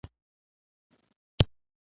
له دې شیبې وروسته